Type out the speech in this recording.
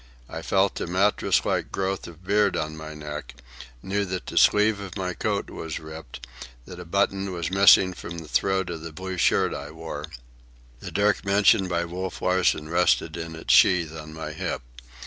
I felt the mattress like growth of beard on my neck, knew that the sleeve of my coat was ripped, that a button was missing from the throat of the blue shirt I wore. The dirk mentioned by Wolf Larsen rested in its sheath on my hip.